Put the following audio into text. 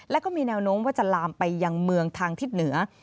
แล้วก็มีแนวโน้มว่าจะลามไปยังเมืองทางทิศเหนือ